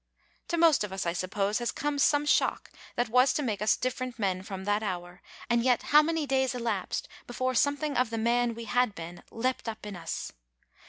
To most of us, I suppose, has come some shock that was to make us different men from that hour, and yet, how many days elapsed before something of the man we had been leapt up in us?